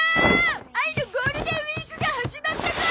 愛のゴールデンウィークが始まったゾ！